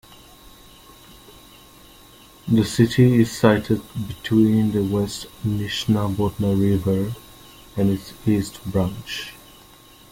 The city is sited between the West Nishnabotna River and its East Branch.